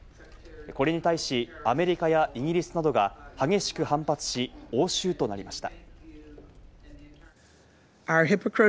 これに対し、アメリカやイギリスなどが激しく反発し、応酬となりました。